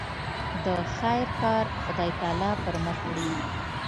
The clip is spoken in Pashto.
د خیر کار خدای تعالی پر مخ وړي.